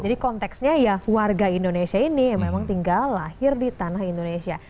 konteksnya ya warga indonesia ini yang memang tinggal lahir di tanah indonesia